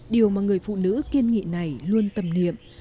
điều mà người phụ nữ kiên nghị này luôn tầm niệm